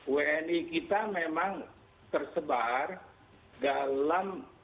wni kita memang tersebar dalam